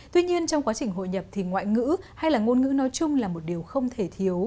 tuy nhiên trong quá trình hội nhập thì ngoại ngữ hay là ngôn ngữ nói chung là một điều không thể thiếu